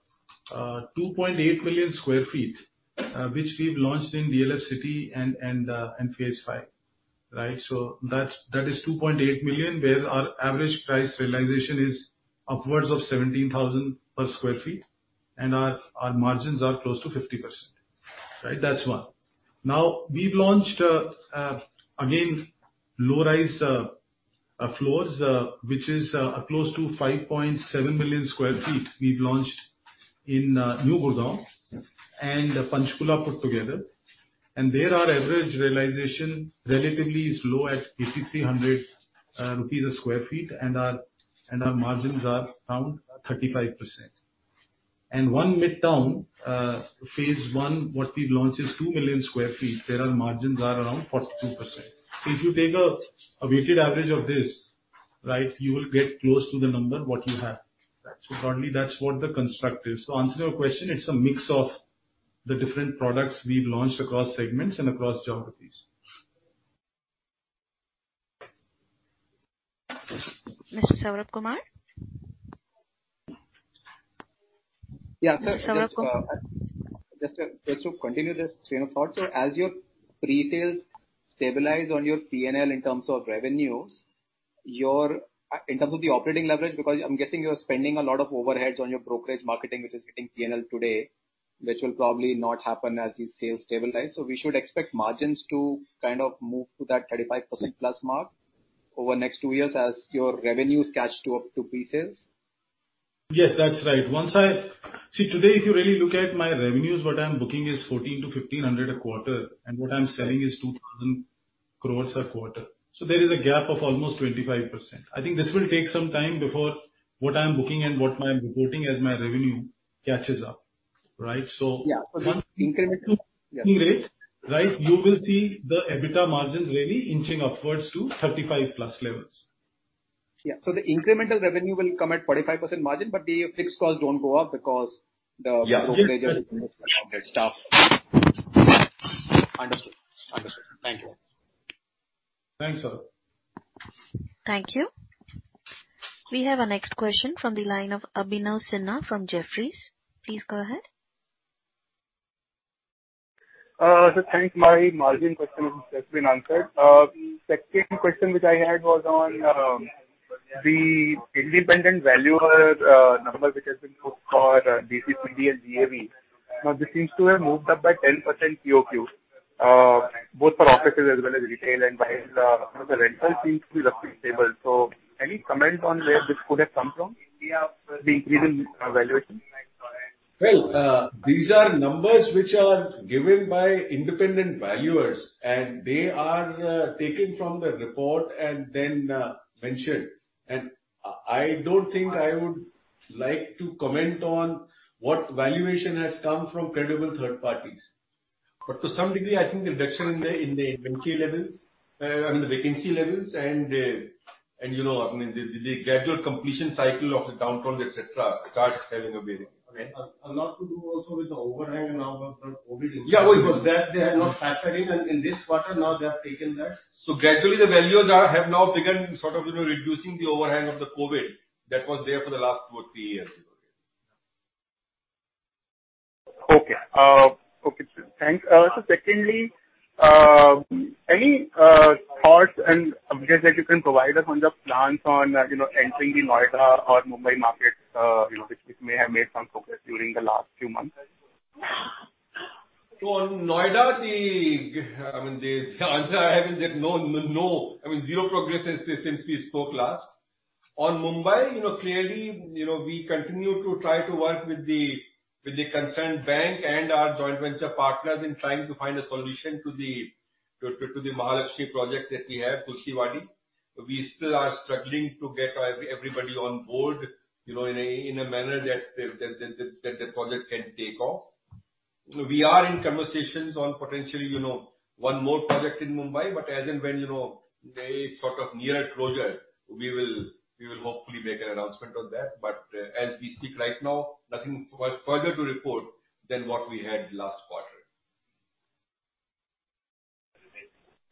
2.8 million sq ft, which we've launched in DLF City and, in DLF Phase 5, right? that's, that is 2.8 million, where our average price realization is upwards of 17,000 per sq ft, and our margins are close to 50%, right? That's one. Now, we've launched again, low-rise floors, which is close to 5.7 million sq ft we've launched in New Gurgaon and Panchkula put together. There our average realization relatively is low at 5,300 rupees a sq ft, and our margins are around 35%. One Midtown phase one, what we've launched is 2 million sq ft. There our margins are around 42%. If you take a weighted average of this, right, you will get close to the number what you have. Broadly, that's what the construct is. To answer your question, it's a mix of the different products we've launched across segments and across geographies. Mr. Saurabh Kumar? Yeah, sir. Saurabh Kumar. Just to continue this train of thought, so as your pre-sales stabilize on your PNL in terms of revenues, your, in terms of the operating leverage, because I'm guessing you're spending a lot of overheads on your brokerage marketing, which is hitting PNL today, which will probably not happen as these sales stabilize. We should expect margins to kind of move to that 35% plus mark over the next two years as your revenues catch to up to pre-sales? Yes, that's right. See, today, if you really look at my revenues, what I'm booking is 1,400-1,500 crores a quarter, and what I'm selling is 2,000 crores a quarter. There is a gap of almost 25%. I think this will take some time before what I'm booking and what I'm reporting as my revenue catches up, right? Yeah. Once incremental rate, right, you will see the EBITDA margins really inching upwards to 35%+ levels. Yeah. The incremental revenue will come at 45% margin. The fixed costs don't go up because. Yeah. brokerage is most of that stuff. Understood. Thank you. Thanks, Saurabh. Thank you. We have our next question from the line of Abhinav Sinha from Jefferies. Please go ahead. Thanks. My margin question has been answered. Second question which I had was on the independent valuer number which has been booked for DCCDL and NAV. This seems to have moved up by 10% QOQ, both for offices as well as retail, and whilst, you know, the rentals seem to be roughly stable. Any comment on where this could have come from, the increase in valuation? Well, these are numbers which are given by independent valuers, and they are taken from the report and then mentioned. I don't think I would like to comment on what valuation has come from credible third parties. To some degree, I think the reduction in the, in the vacancy levels, I mean, the vacancy levels and, you know, I mean, the gradual completion cycle of the townhomes, et cetera, starts having a bearing. Okay. A lot to do also with the overhang and now from COVID- Yeah. Well, it was that they had not factored in in this quarter. Now they have taken that. Gradually the values are, have now begun sort of, you know, reducing the overhang of the COVID that was there for the last two or three years. Okay. Okay. Thanks. Secondly, any thoughts and updates that you can provide us on the plans on, you know, entering the Noida or Mumbai markets, you know, which may have made some progress during the last few months? On Noida, the, I mean, the answer I have is that no, I mean, zero progress since we, since we spoke last. On Mumbai, you know, clearly, you know, we continue to try to work with the, with the concerned bank and our joint venture partners in trying to find a solution to the Mahalaxmi project that we have, Tulsiwadi. We still are struggling to get everybody on board, you know, in a manner that the project can take off. We are in conversations on potentially, you know, one more project in Mumbai, but as and when, you know, they sort of near a closure, we will hopefully make an announcement on that. As we speak right now, nothing further to report than what we had last quarter.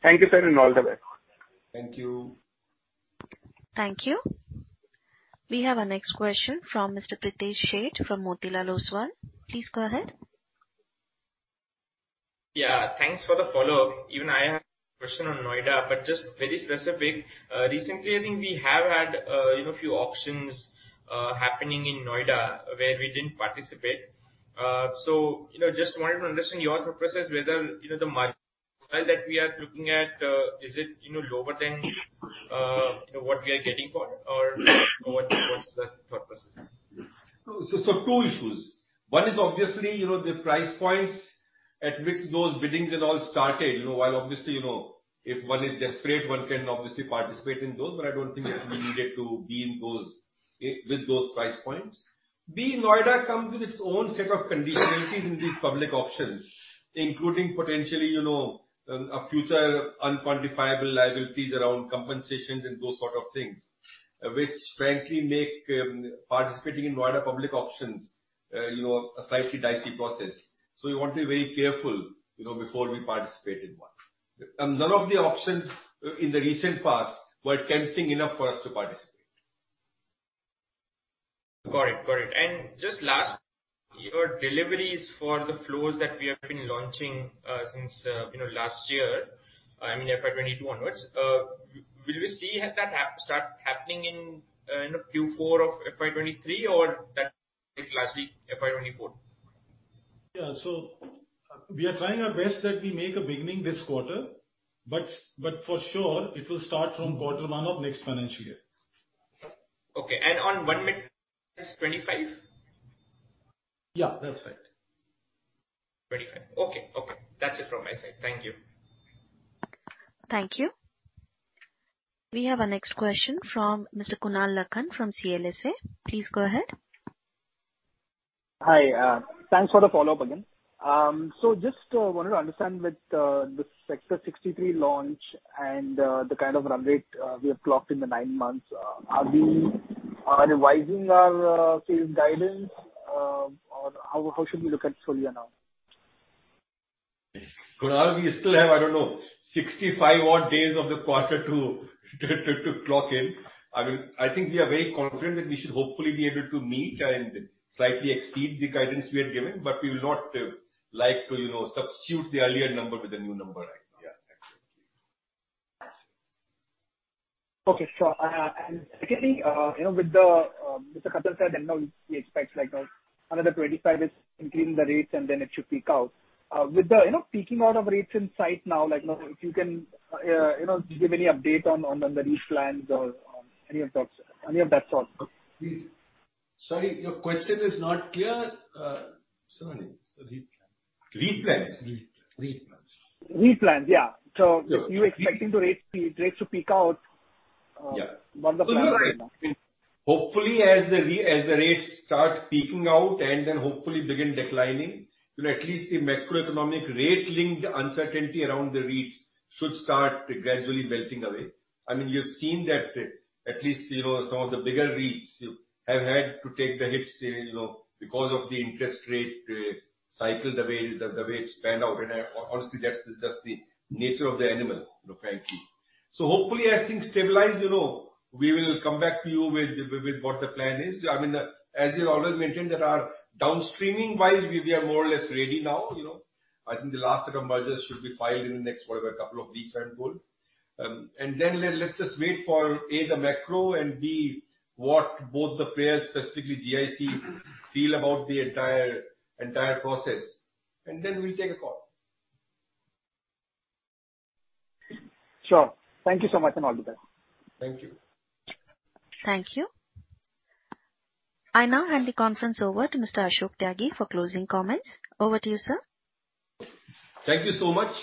Thank you, sir, and all the best. Thank you. Thank you. We have our next question from Mr. Pritesh Sheth from Motilal Oswal. Please go ahead. Thanks for the follow-up. Even I have a question on Noida, but just very specific. Recently, I think we have had, you know, a few auctions happening in Noida where we didn't participate. Just wanted to understand your thought process whether, you know, the margin that we are looking at, is it, you know, lower than what we are getting for or what's the thought process? Two issues. One is obviously, you know, the price points at which those biddings had all started. You know, while obviously, you know, if one is desperate, one can obviously participate in those, but I don't think that we needed to be in those, with those price points. The Noida comes with its own set of conditionalities in these public auctions, including potentially, you know, a future unquantifiable liabilities around compensations and those sort of things, which frankly make participating in Noida public auctions, you know, a slightly dicey process. We want to be very careful, you know, before we participate in one. None of the auctions in the recent past were tempting enough for us to participate. Got it. Got it. Just last, your deliveries for the floors that we have been launching, since, you know, last year, I mean FY 2022 onwards, will we see that start happening in the Q4 of FY 2023 or that will actually FY 2024? Yeah. We are trying our best that we make a beginning this quarter, but for sure it will start from quarter one of next financial year. Okay. On One Mid 2025? Yeah, that's right. 2025. Okay. Okay. That's it from my side. Thank you. Thank you. We have our next question from Mr. Kunal Lakhan from CLSA. Please go ahead. Hi. Thanks for the follow-up again. Just wanted to understand with the Sector 63 launch and the kind of run rate we have clocked in the 9 months, are we revising our sales guidance, or how should we look at Solia now? Kunal, we still have, I don't know, 65 odd days of the quarter to clock in. I mean, I think we are very confident that we should hopefully be able to meet and slightly exceed the guidance we had given, but we will not like to, you know, substitute the earlier number with a new number right now. Yeah. Absolutely. Okay. Sure. Secondly, you know, with the Mr. Khattar said that now he expects like now another 25 is including the rates, and then it should peak out. With the, you know, peaking out of rates in sight now, like, you know, if you can, you know, give any update on the REIT plans or any of those, any of that sort. Sorry, your question is not clear. Sorry. REIT plans. REIT plans. REIT plans. REIT plans, yeah. You're expecting the rates to peak out? Yeah. on the front end now. Hopefully as the rates start peaking out and then hopefully begin declining, you know, at least the macroeconomic rate-linked uncertainty around the REITs should start gradually melting away. I mean, you've seen that at least, you know, some of the bigger REITs have had to take the hits, you know, because of the interest rate cycle, the way it's panned out. Honestly, that's just the nature of the animal, you know, frankly. Hopefully as things stabilize, you know, we will come back to you with what the plan is. I mean, as we've always maintained that our downstreaming wise, we are more or less ready now, you know. I think the last of the mergers should be filed in the next, whatever, couple of weeks, I'm told. Let's just wait for, A, the macro and, B, what both the players, specifically GIC, feel about the entire process, and then we'll take a call. Sure. Thank you so much and all the best. Thank you. Thank you. I now hand the conference over to Mr. Ashok Kumar Tyagi for closing comments. Over to you, sir. Thank you so much.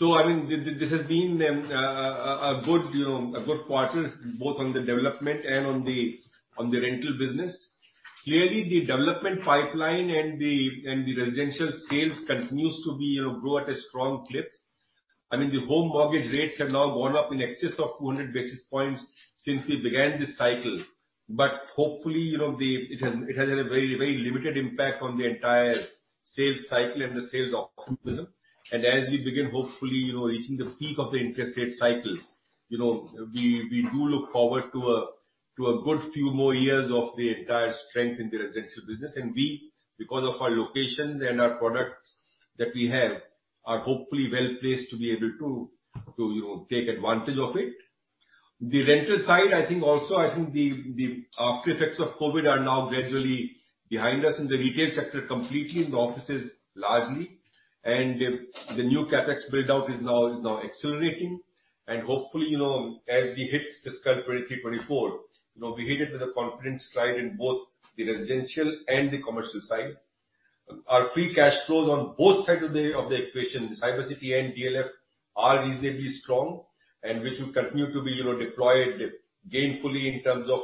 I mean, this has been, you know, a good quarter both on the development and on the rental business. Clearly, the development pipeline and the residential sales continues to be, you know, grow at a strong clip. I mean, the home mortgage rates have now gone up in excess of 200 basis points since we began this cycle. Hopefully, you know, it has had a very limited impact on the entire sales cycle and the sales optimism. As we begin, hopefully, you know, reaching the peak of the interest rate cycle, you know, we do look forward to a good few more years of the entire strength in the residential business. We, because of our locations and our products that we have, are hopefully well placed to be able to, you know, take advantage of it. The rental side, I think also, I think the aftereffects of COVID are now gradually behind us in the retail sector completely, in the offices largely. The new CapEx build-out is now accelerating. Hopefully, you know, as we hit fiscal 2023, 2024, you know, we hit it with a confident stride in both the residential and the commercial side. Our free cash flows on both sides of the equation, Cybercity and DLF, are reasonably strong and which will continue to be, you know, deployed gainfully in terms of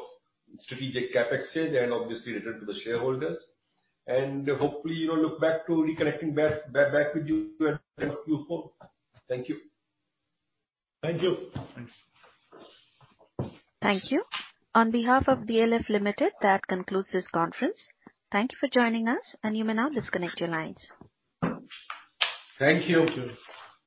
strategic CapExes and obviously return to the shareholders. Hopefully, you know, look back to reconnecting back with you in a few quarters. Thank you. Thank you. Thank you. On behalf of DLF Limited, that concludes this conference. Thank you for joining us, and you may now disconnect your lines. Thank you.